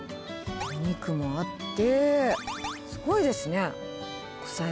お肉もあって、すごいですね。